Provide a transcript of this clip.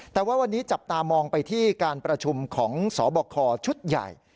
แต่ว่าวันนี้จับตามองไปที่การประชุมของสบคชุดใหญ่